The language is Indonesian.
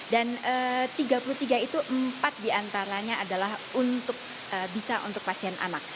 dan tiga puluh tiga itu empat diantaranya adalah untuk bisa untuk pasien anak